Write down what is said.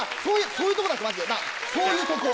そういうとこだぞマジでなぁそういうとこ。